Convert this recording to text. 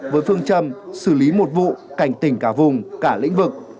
với phương châm xử lý một vụ cảnh tỉnh cả vùng cả lĩnh vực